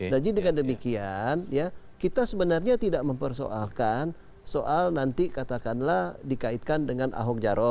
jadi dengan demikian kita sebenarnya tidak mempersoalkan soal nanti katakanlah dikaitkan dengan ahok jaro